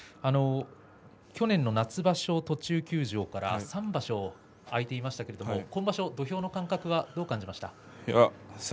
去年の夏場所、途中休場から３場所開いていましたけれども今場所、土俵の感覚はどう感じましたか。